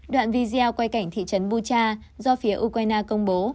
đoạn video quay cảnh thị trấn bucha do phía ukraine công bố